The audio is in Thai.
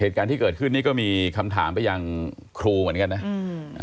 เหตุการณ์ที่เกิดขึ้นนี่ก็มีคำถามไปยังครูเหมือนกันนะอืม